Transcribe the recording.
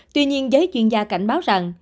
tuy nhiên giới chuyên gia cảnh báo rằng